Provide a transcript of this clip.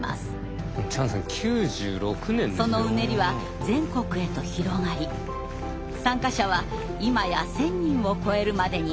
そのうねりは全国へと広がり参加者は今や１，０００人を超えるまでになりました。